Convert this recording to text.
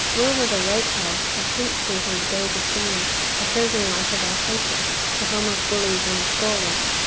Will was a rake hell of Fleet Street in the days of James, a chosen light of Alsatia, the home of bullies and of brawlers.